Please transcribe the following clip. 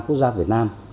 quốc gia việt nam